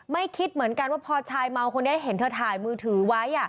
คิดเหมือนกันว่าพอชายเมาคนนี้เห็นเธอถ่ายมือถือไว้